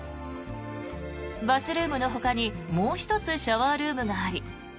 バスルームのほかにもう１つシャワールームがあり